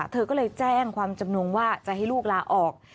เธอก็เลยแจ้งความจำนงว่าจะให้ลูกลาออก